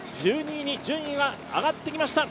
１２位に順位が上がってきました。